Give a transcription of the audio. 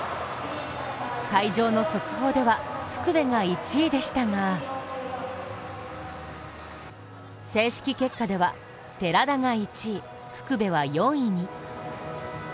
海上の速報では福部が１位でしたが正式結果では寺田が１位、福部は４位に。